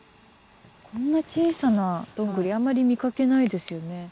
こんな小さなどんぐりあんまり見かけないですよね。